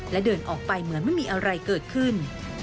และเดินออกไปเหมือนไม่มีอะไรเกิดขึ้น